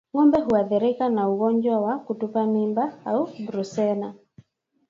Ngombe huathirika na ugonjwa wa kutupa mimba au Brusela